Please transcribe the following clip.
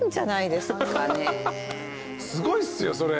すごいっすよそれ。